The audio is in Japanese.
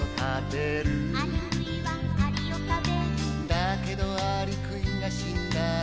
「だけどアリクイが死んだら」